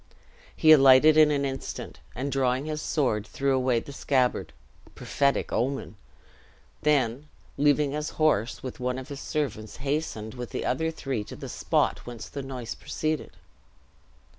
He alighted in an instant, and drawing his sword, threw away the scabbard (prophetic omen!), then, leaving his horse with one of his servants hastened, with the other three, to the spot whence the noise proceeded.